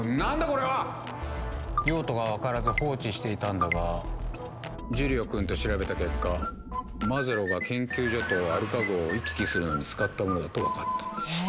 これは⁉用途が分からず放置していたんだがジュリオ君と調べた結果マズローが研究所とアルカ号を行き来するのに使ったものだと分かったえ